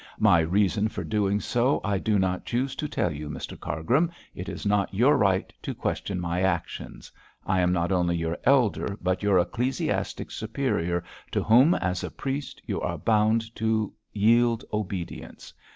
My reason for doing so I do not choose to tell you, Mr Cargrim. It is not your right to question my actions. I am not only your elder, but your ecclesiastic superior, to whom, as a priest, you are bound to yield obedience.